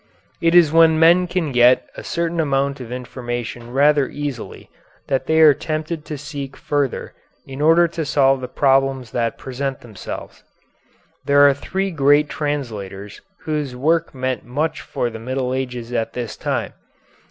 It is when men can get a certain amount of information rather easily that they are tempted to seek further in order to solve the problems that present themselves. There are three great translators whose work meant much for the Middle Ages at this time.